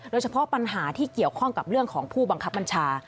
โดยเฉพาะปัญหาที่เกี่ยวข้องกับเรื่องของผู้บังคับบัญชา